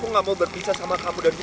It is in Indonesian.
aku janji aku tidak akan melakukan itu